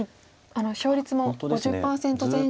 勝率も５０％前後で。